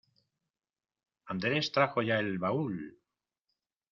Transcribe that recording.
¡Andrés trajo ya el baúl!